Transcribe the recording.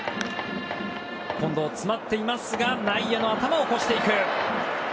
近藤、詰まっていたが内野の頭を越していく。